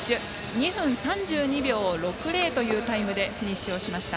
２分３２秒６０というタイムでフィニッシュしました。